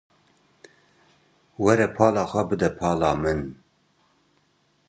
Were pala xwe bide pala min.